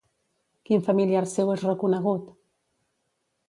Quin familiar seu és reconegut?